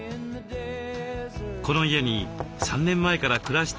この家に３年前から暮らしているのが。